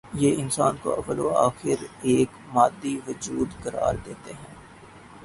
یہ انسان کو اوّ ل و آخر ایک مادی وجود قرار دیتے ہیں۔